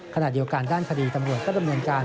ขณะเดียวกันด้านคดีตำรวจก็ดำเนินการ